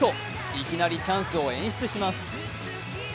いきなりチャンスを演出します。